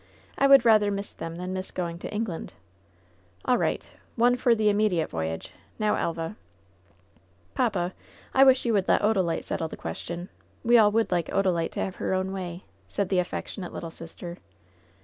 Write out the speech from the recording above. "I would rather miss them than miss going to England." "AH right. One for the immediate voyage. Now, ElvaT "Papa, I wish you would let Odalite settle the ques tion. We all would like Odalite to have her own way, said the affectionate little sister.